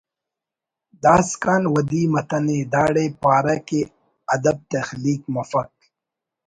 داسکان ودی متنے داڑے پارہ کہ ادب تخلیق مفک